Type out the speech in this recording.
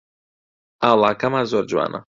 ئاڵاکەمان زۆر جوانە